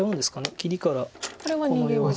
切りからこのように。